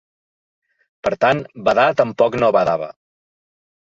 Per tant, badar tampoc no badava.